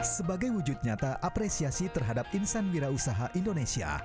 sebagai wujud nyata apresiasi terhadap insan wira usaha indonesia